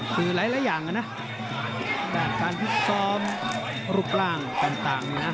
คือหลายอย่างนะการพิกซ้อมรูปร่างต่างนี่นะ